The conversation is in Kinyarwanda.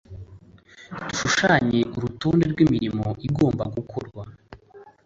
dushushanya urutonde rw'imirimo igomba gukorwa